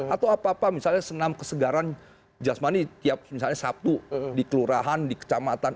atau apa apa misalnya senam kesegaran jasmani tiap misalnya sabtu di kelurahan di kecamatan